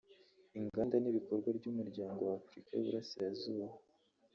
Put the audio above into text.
Inganda n’Ibikorwa by’Umuryango wa Afurika y’Uburasirazuba